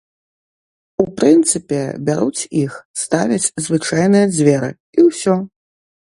У прынцыпе, бяруць іх, ставяць звычайныя дзверы, і ўсё!